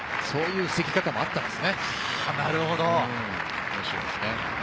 そういう防ぎ方もあったんですね。